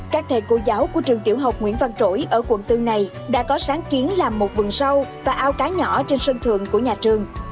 các thầy cô giáo của trường tiểu học nguyễn văn trỗi ở quận bốn này đã có sáng kiến làm một vườn sâu và ao cá nhỏ trên sân thượng của nhà trường